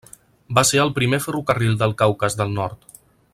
Va ser el primer ferrocarril del Caucas del Nord.